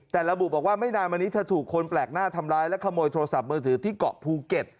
แต่ระบุบอกว่าไม่นานมานี้เธอถูกคนแปลกหน้าทำร้ายและขโมยโทรศัพท์มือถือที่เกาะภูเก็ต